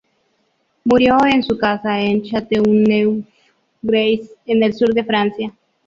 Murió en su casa en Chateauneuf-Grasse en el sur de Francia.